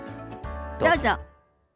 どうぞ。